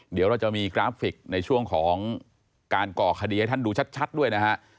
เดี๋ยวเราจะมีกราฟิกในช่วงของการก่อคดีให้ท่านดูชัดด้วยนะฮะ